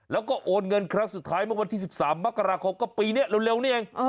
แล้วก็โอนเงินครั้งสุดท้ายเมื่อวันที่๑๓มกราคมก็ปีนี้เร็วนี่เอง